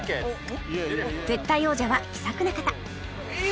絶対王者は気さくな方